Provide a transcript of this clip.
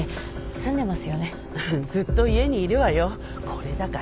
これだから。